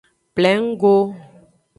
Plengo.